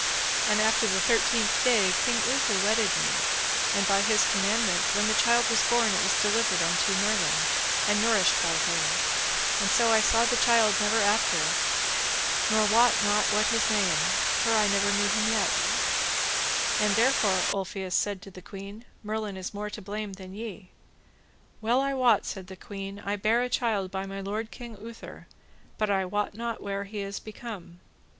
And after the thirteenth day King Uther wedded me, and by his commandment when the child was born it was delivered unto Merlin and nourished by him, and so I saw the child never after, nor wot not what is his name, for I knew him never yet. And there, Ulfius said to the queen, Merlin is more to blame than ye. Well I wot, said the queen, I bare a child by my lord King Uther, but I wot not where he is become.